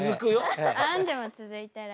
あんじゅも続いてる。